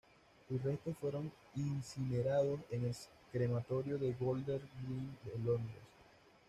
Sus restos fueron incinerados en el Crematorio de Golders Green de Londres.